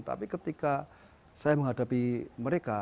tapi ketika saya menghadapi mereka